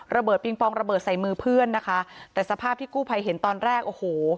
เบิงปองระเบิดใส่มือเพื่อนนะคะแต่สภาพที่กู้ภัยเห็นตอนแรกโอ้โห